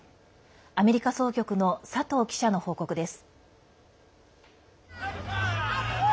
アメリカ総局の佐藤記者の報告です。